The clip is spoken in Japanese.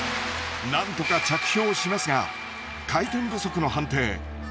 なんとか着氷しますが回転不足の判定。